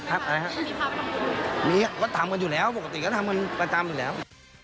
ตรงนี้ถามกันอยู่แล้วปกติครับทำกันประจำอยู่แล้ว